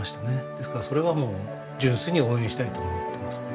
ですからそれはもう純粋に応援したいと思ってますね。